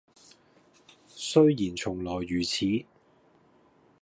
雖然從來如此，